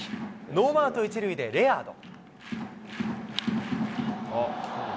ノーアウト１塁でレアード。